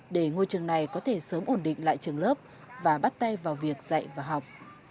để ngôi trường này có thể sớm ổn định lại trường lớp và bắt tay vào việc dạy và học